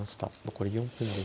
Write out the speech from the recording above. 残り４分です。